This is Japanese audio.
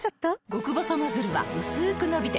極細ノズルはうすく伸びて